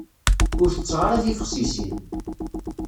Ur tetteɣ ara tibexsisin.